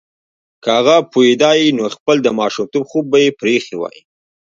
که هغه پوهیدای نو خپل د ماشومتوب خوب به یې پریښی وای